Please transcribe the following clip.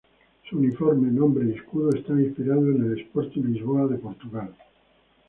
Su uniforme, nombre y escudo están inspirados en el Sporting Lisboa de Portugal.